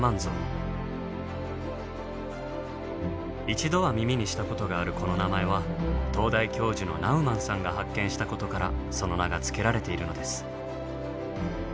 一度は耳にしたことがあるこの名前は東大教授のナウマンさんが発見したことからその名がつけられているのです。